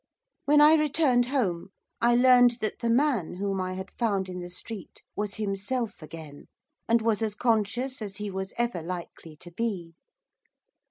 When I returned home I learned that the man whom I had found in the street was himself again, and was as conscious as he was ever likely to be.